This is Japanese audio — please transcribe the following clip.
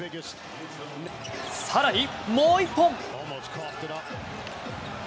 更にもう１本！